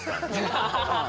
ハハハハ！